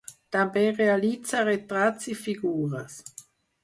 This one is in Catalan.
També realitzà retrats i figures.